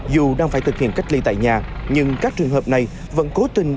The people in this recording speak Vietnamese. dù đang phải thực hiện cách ly tại nhà nhưng các trường hợp này vẫn cố tình